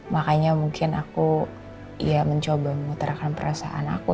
makanya mungkin aku ya mencoba mengutarakan perasaan aku